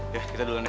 ya kita duluan ya